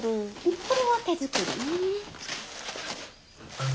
これも手作りね。